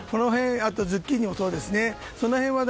ズッキーニもそうですね。